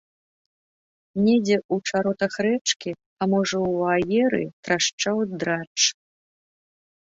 Недзе ў чаротах рэчкі, а можа, у аеры трашчаў драч.